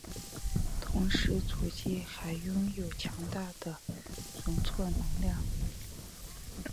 同时主机还拥有强大的容错能力。